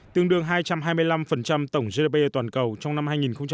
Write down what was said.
tương đương hai trăm hai mươi năm tổng gdp toàn cầu trong năm hai nghìn một mươi bảy